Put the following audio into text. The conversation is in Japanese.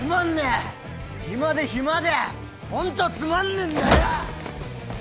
暇で暇でホントつまんねえんだよ！